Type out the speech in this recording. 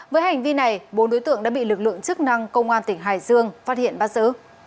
với hành vi này bốn đối tượng đã bị lực lượng chức năng công an tỉnh hải dương phát hiện bắt giữ